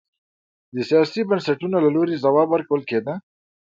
د سیاسي بنسټونو له لوري ځواب ورکول کېده.